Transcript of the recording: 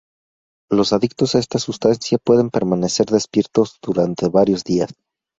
Los adictos a esta sustancia, pueden permanecer despiertos durante varios días.